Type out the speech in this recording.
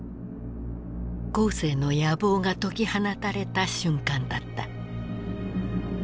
江青の野望が解き放たれた瞬間だった。